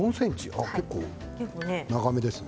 結構長めですね。